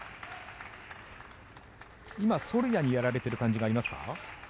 今、ソルヤにやられている感じがありますか？